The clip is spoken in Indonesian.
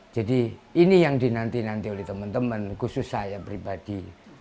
jadi ini yang dinanti nanti oleh temen temen khusus saya pribadi